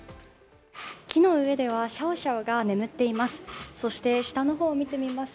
木の上ではシャオシャオが眠っています。